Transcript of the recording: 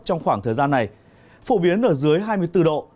trong khoảng thời gian này phổ biến ở dưới hai mươi bốn độ